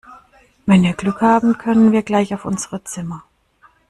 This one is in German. Wenn wir Glück haben können wir gleich auf unsere Zimmer.